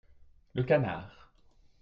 Le canard.